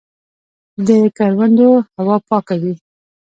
د کروندو هوا پاکه وي.